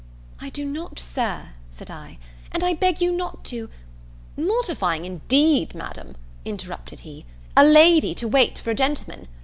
"I do not, Sir," said I, "and I beg you not to " "Mortifying, indeed, Madam," interrupted he, "a lady to wait for a gentleman!